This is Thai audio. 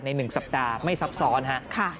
๑สัปดาห์ไม่ซับซ้อนฮะ